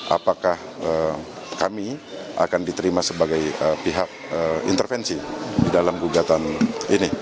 apakah kami akan diterima sebagai pihak intervensi di dalam gugatan ini